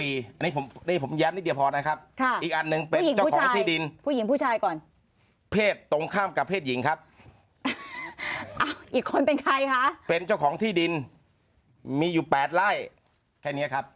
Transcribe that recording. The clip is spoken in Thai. อีกคนเป็นใครคะเป็นเจ้าของที่ดินมีอยู่๘ไร่แค่นี้ครับ